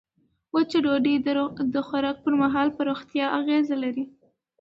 وچه ډوډۍ د خوراک پر مهال پر روغتیا اغېز لري.